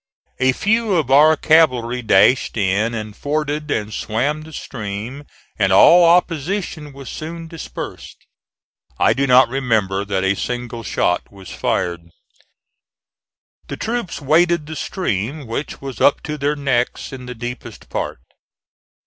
A few of our cavalry dashed in, and forded and swam the stream, and all opposition was soon dispersed. I do not remember that a single shot was fired. The troops waded the stream, which was up to their necks in the deepest part.